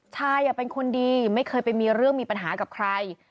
ชายเป็นคนดีไม่เคยไปมีเรื่องมีปัญหากับใคร